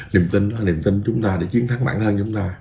niềm tin là niềm tin chúng ta để chiến thắng bản thân chúng ta